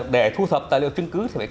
để thu thập tài liệu chứng cứ